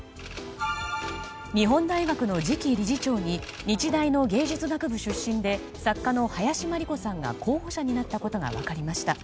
日本大学の次期理事長に日大の芸術学部出身で作家の林真理子さんが候補者になったことが分かりました。